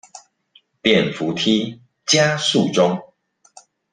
電扶梯加速中